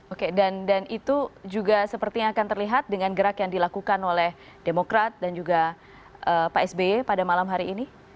oke dan itu juga sepertinya akan terlihat dengan gerak yang dilakukan oleh demokrat dan juga pak sby pada malam hari ini